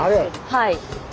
はい。